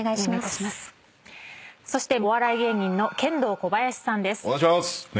そしてお笑い芸人のケンドーコバヤシさんです。